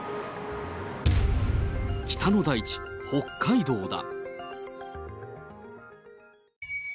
北の大地、北海道だ。